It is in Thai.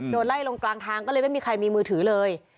โดนไล่ลงกลางทางก็เลยไม่มีใครมีมือถือเลย